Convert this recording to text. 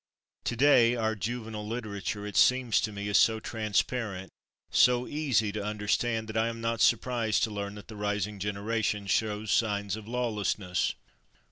To day our juvenile literature, it seems to me, is so transparent, so easy to understand that I am not surprised to learn that the rising generation shows signs of lawlessness.